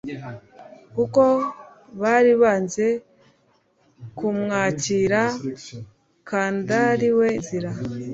kuko bari banze kumwakira kandari we Nzira